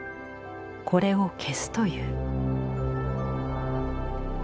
これを消すという。